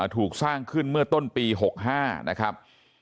ถูกสร้างขึ้นเมื่อต้นปี๖๕นะครับ